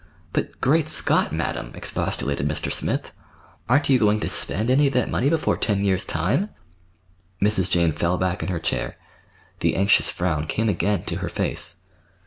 "But, great Scott, madam!" expostulated Mr. Smith. "Aren't you going to spend any of that money before ten years' time?" Mrs. Jane fell back in her chair. The anxious frown came again to her face.